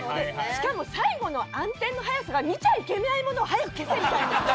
しかも最後の暗転の早さが見ちゃいけないものを早く消せみたいな。